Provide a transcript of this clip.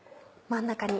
真ん中に。